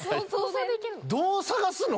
どう探すの？